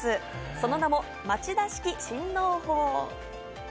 その名も町田式新農法。